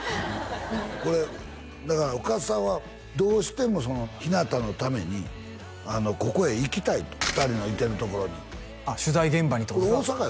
これだから深津さんはどうしてもひなたのためにここへ行きたいと２人のいてるところに取材現場にってことですか？